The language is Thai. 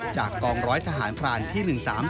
จากกองร้อยทหารพรานที่๑๓๓